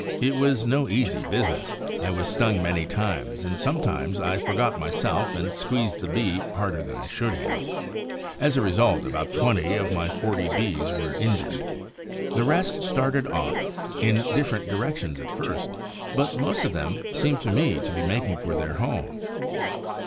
It was no easy business. I was stung many times, and sometimes I forgot myself and squeezed the Bee harder than I should have. As a result, about twenty out of my forty Bees were injured. The rest started off, in different directions at first; but most of them seemed to me to be making for their home.